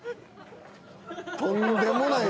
とんでもない。